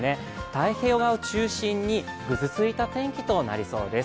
太平洋側を中心にぐずついた天気となりそうです。